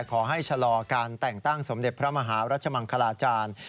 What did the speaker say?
ขอให้ชะลอการแต่งตั้งสมเด็จพระมหารัชมังคลาจารย์